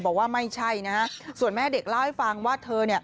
บอกว่าไม่ใช่ส่วนแม่เด็กล่าให้ฟังว่าเธอ